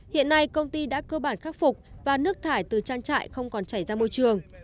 hiện nay công ty đã cơ bản khắc phục và nước thải từ trang trại không còn chảy ra môi trường